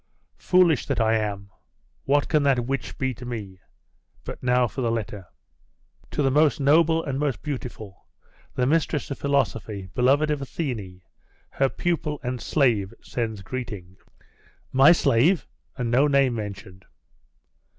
'Foolish that I am! What can that witch be to me? But now for the letter.' 'To the most noble and most beautiful, the mistress of philosophy, beloved of Athene, her pupil and slave sends greeting.'.... 'My slave! and no name mentioned!